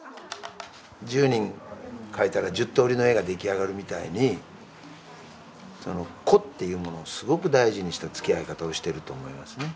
１０人描いたら１０通りの絵が出来上がるみたいにその個っていうものをすごく大事にしたつきあい方をしてると思いますね。